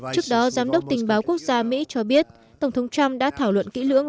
trước đó giám đốc tình báo quốc gia mỹ cho biết tổng thống trump đã thảo luận kỹ lưỡng